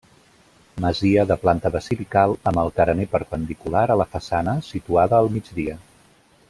Masia de planta basilical amb el carener perpendicular a la façana situada al migdia.